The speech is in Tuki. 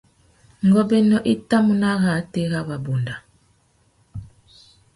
Ngôbēnô i tà mú nà arrātê râ wabunda .